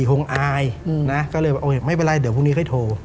คงอายนะก็เลยบอกไม่เป็นไรเดี๋ยวพรุ่งนี้ค่อยโทร